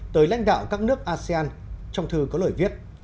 tới lãnh đạo các nước asean trong thư có lời viết